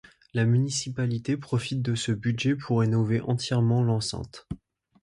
La municipalité profite de ce budget pour rénover entièrement l'enceinte.